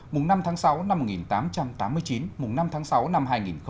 mùng năm tháng sáu năm một nghìn tám trăm tám mươi chín mùng năm tháng sáu năm hai nghìn một mươi chín